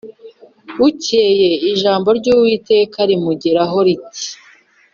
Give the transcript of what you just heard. Bukeye ijambo ry’Uwiteka rimugeraho riti